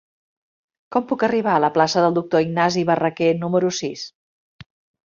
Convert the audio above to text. Com puc arribar a la plaça del Doctor Ignasi Barraquer número sis?